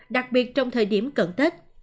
đặc biệt trong thời điểm cận tết